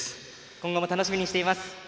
今後も楽しみにしています。